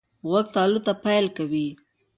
غوږ تالو ته پایل کوي.